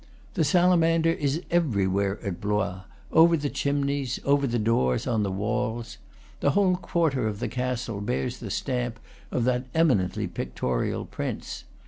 The salamander is everywhere at Blois, over the chimneys, over the doors, on the walls. This whole quarter , of the castle bears the stamp of that eminently pictorial prince.